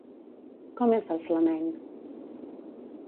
Com és el flamenc?